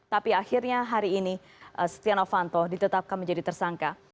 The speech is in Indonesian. tapi akhirnya hari ini setia novanto ditetapkan menjadi tersangka